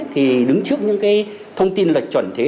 thì đứng trước những cái thông tin lệch chuẩn thế